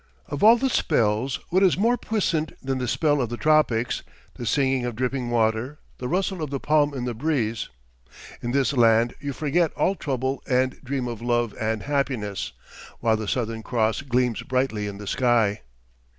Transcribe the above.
Of all the spells what is more puissant than the spell of the tropics the singing of dripping water, the rustle of the palm in the breeze. In this land you forget all trouble and dream of love and happiness, while the Southern Cross gleams brightly in the sky.